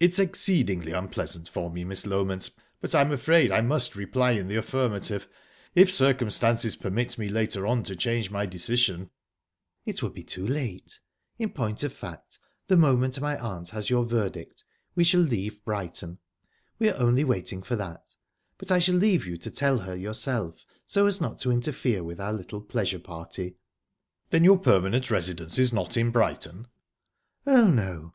"It's exceedingly unpleasant for me, Miss Loment, but I'm afraid I must reply in the affirmative. If circumstances permit me later on to change my decision..." "It would be too late. In point of fact, the moment my aunt has your verdict we shall leave Brighton. We're only waiting for that. But I shall leave you to tell her yourself, so as not to interfere with our little pleasure party." "Then your permanent residence is not in Brighton?" "Oh, no."